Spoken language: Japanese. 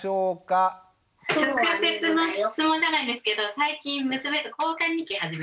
直接の質問じゃないですけど最近娘と交換日記始めて。